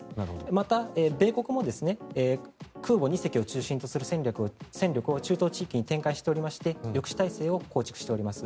また米国も空母２隻を中心とする戦力を中東地域に展開しておりまして抑止体制を構築しております。